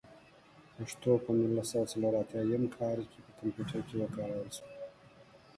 پښتو په نولس سوه څلور اتيايم کال کې په کمپيوټر کې وکارول شوه.